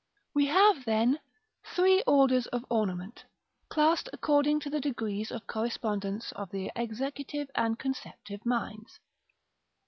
§ XIV. We have, then, three orders of ornament, classed according to the degrees of correspondence of the executive and conceptive minds.